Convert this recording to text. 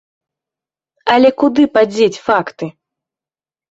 Але куды падзець факты?